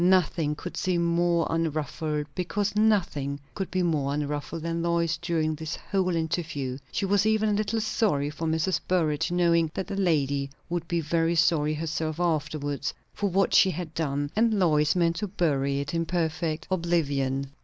Nothing could seem more unruffled, because nothing could be more unruffled, than Lois during this whole interview; she was even a little sorry for Mrs. Burrage, knowing that the lady would be very sorry herself afterwards for what she had done; and Lois meant to bury it in perfect oblivion.